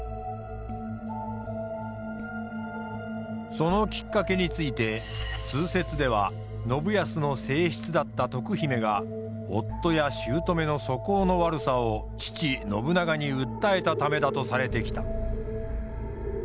そのきっかけについて通説では信康の正室だった徳姫が夫や姑の素行の悪さを父信長に訴えたためだとされてきた。